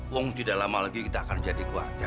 wong tidak lama lagi kita akan jadi keluarga